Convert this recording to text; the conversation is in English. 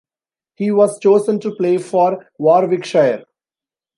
He was chosen to play for Warwickshire.